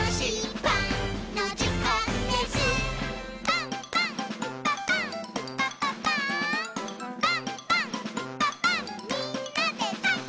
「パンパンんパパンみんなでパン！」